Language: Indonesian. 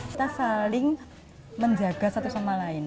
kita saling menjaga satu sama lain